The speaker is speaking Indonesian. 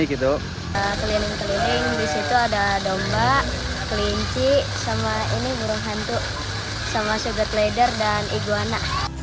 keliling keliling di situ ada domba kelinci burung hantu sugar glider dan iguana